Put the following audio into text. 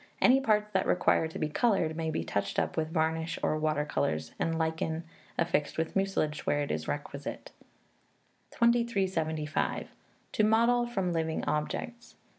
Any parts that require to be coloured, may be touched up with varnish or water colours, and lichen, &c., affixed with mucilage where it is requisite. 2375. To Model from Living Objects.